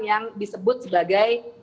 yang disebut sebagai